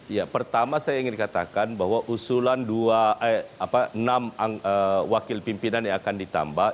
ya pertama saya ingin katakan bahwa usulan enam wakil pimpinan yang akan ditambah